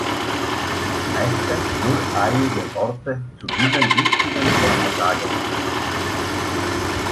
Ich möchte nur einige Worte zu diesem wichtigen Thema sagen.